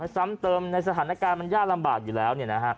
ซ้ำเติมในสถานการณ์มันยากลำบากอยู่แล้ว